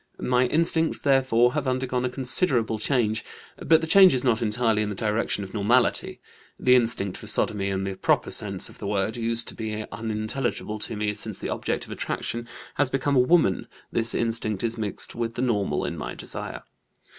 My instincts, therefore, have undergone a considerable change, but the change is not entirely in the direction of normality. The instinct for sodomy in the proper sense of the word used to be unintelligible to me; since the object of attraction has become a woman this instinct is mixed with the normal in my desire.